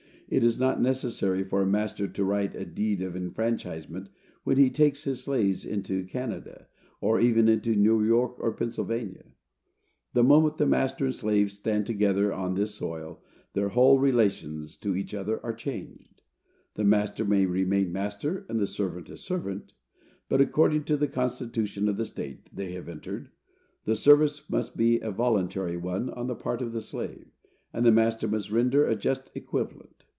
It is not necessary for a master to write a deed of enfranchisement when he takes his slaves into Canada, or even into New York or Pennsylvania. The moment the master and slave stand together on this soil, their whole relations to each other are changed. The master may remain master, and the servant a servant; but, according to the constitution of the state they have entered, the service must be a voluntary one on the part of the slave, and the master must render a just equivalent.